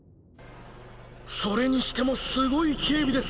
それにしてもすごい警備です